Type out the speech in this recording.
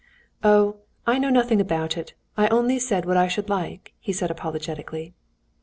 "Oh, I know nothing about it; I only said what I should like," he said apologetically.